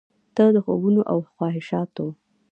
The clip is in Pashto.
ته د خوبونو او خواهشاتو،